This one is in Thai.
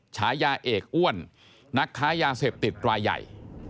ฉายาเอกอ้วนนักค้ายาเสพติดรายใหญ่